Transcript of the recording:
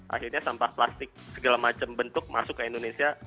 akhirnya sampah plastik segala macam bentuk masuk ke indonesia